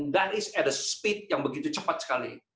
dan itu dengan kecepatan yang begitu cepat sekali